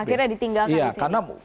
akhirnya ditinggalkan di sini